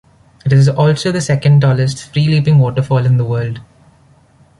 It is also the second tallest free-leaping waterfall in the world.